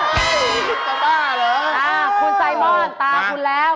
เป็นบ้าเหรออ้าวมาครูไซมอนตาไปแล้ว